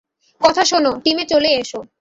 কথা শোনো, টিমে চলে এসো।